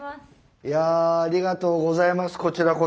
いやありがとうございますこちらこそ。